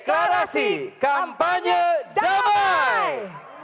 deklarasi kampanye damai